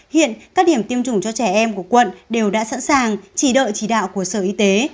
hiện các điểm tiêm chủng cho trẻ em của quận đều đã sẵn sàng chỉ đợi chỉ đạo của sở y tế